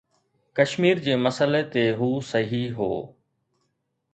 ڪشمير جي مسئلي تي هو صحيح هو